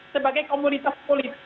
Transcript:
sebagai komunitas politik